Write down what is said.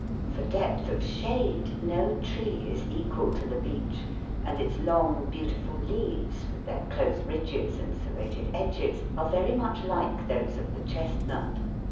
For depth of shade no tree is equal to the beech, and its long beautiful leaves, with their close ridges and serrated edges, are very much like those of the chestnut.